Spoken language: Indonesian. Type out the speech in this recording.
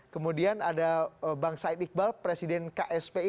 kemudian ada bang said iqbal presiden kspi